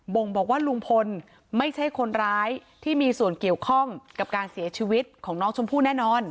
่งบอกว่าลุงพลไม่ใช่คนร้ายที่มีส่วนเกี่ยวข้องกับการเสียชีวิตของน้องชมพู่แน่นอน